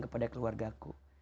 kepada keluarga ku